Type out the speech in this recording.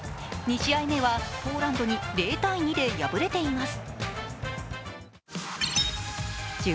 ２試合目はポーランドに０−２で敗れています。